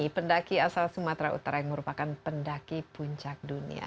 pendaki asal sumatera utara yang merupakan pendaki puncak dunia